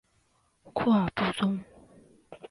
库尔布宗。